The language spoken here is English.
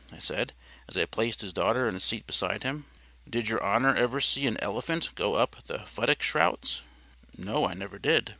I said, as I placed his daughter in a seat beside him. "Did your honour ever see an elephant go up the futtock shrouds?" "No. I never did."